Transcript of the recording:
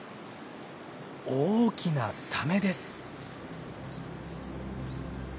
大きなサメです。